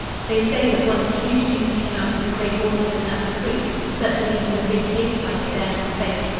They say that once huge things came out of the great waters and up the creeks, such as even the big cave tiger dare not face.